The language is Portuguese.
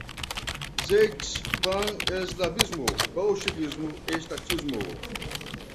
Zeitgeist, pan-eslavismo, bolchevismo, estatismo